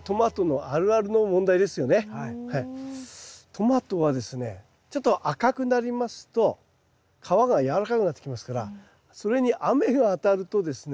トマトはですねちょっと赤くなりますと皮がやわらかくなってきますからそれに雨が当たるとですね